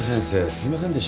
すいませんでした。